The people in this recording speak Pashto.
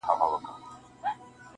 • یو څه له پاسه یو څه له ځانه-